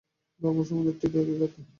ধর্ম সম্বন্ধেও ঠিক এই কথা।